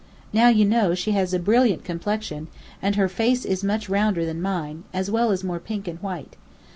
Now, you know, she has a brilliant complexion, and her face is much rounder than mine, as well as more pink and white.